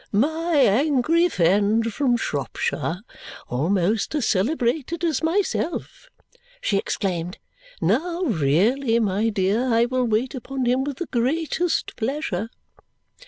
"My angry friend from Shropshire! Almost as celebrated as myself!" she exclaimed. "Now really! My dear, I will wait upon him with the greatest pleasure."